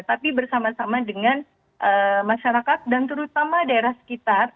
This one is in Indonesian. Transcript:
tapi bersama sama dengan masyarakat dan terutama daerah sekitar